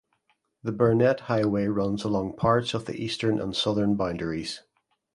The Burnett Highway runs along parts of the eastern and southern boundaries.